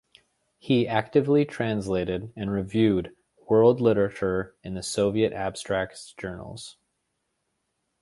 He actively translated and reviewed world literature in the Soviet Abstracts Journals.